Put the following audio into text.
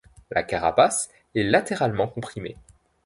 La carapace est latéralement comprimée.